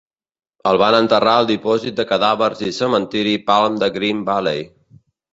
El van enterrar al dipòsit de cadàvers i cementiri Palm de Green Valley.